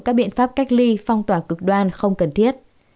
các biện pháp cách ly phong tỏa cực đoan không cần thiết